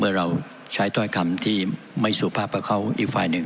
เราใช้ถ้อยคำที่ไม่สุภาพกับเขาอีกฝ่ายหนึ่ง